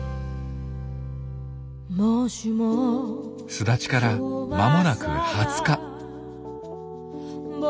巣立ちから間もなく２０日。